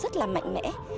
rất là mạnh mẽ